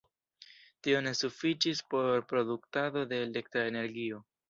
Tio ne sufiĉis por produktado de elektra energio.